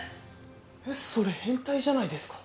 それ変態じゃないですか。